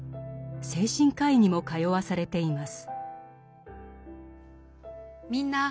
精神科医にも通わされています。